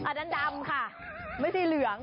อันนั้นดำค่ะไม่ใช่เหลือง